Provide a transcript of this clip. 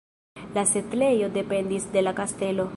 La setlejo dependis de la kastelo.